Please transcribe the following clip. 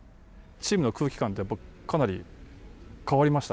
チームの空気感ってやっぱかなり変わりましたか？